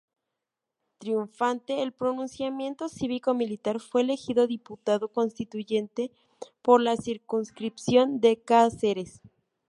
Triunfante el pronunciamiento cívico-militar, fue elegido diputado constituyente por la circunscripción de Cáceres.